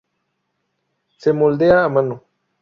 Se moldea a mano.